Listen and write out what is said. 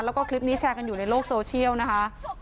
แล้วก็คลิปนี้แชร์กันอยู่ในโลกโซเชียลนะคะ